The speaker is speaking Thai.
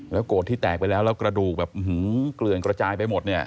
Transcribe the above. แล้วกรดที่แตกไปแล้วกระดูกแบบเกลื่อนกระจายไปหมด